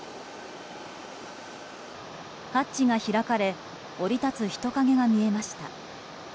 ハッチが開かれ降り立つ人影が見えました。